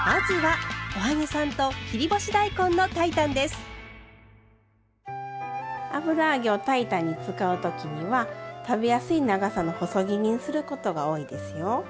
まずは油揚げを炊いたんに使う時には食べやすい長さの細切りにすることが多いですよ。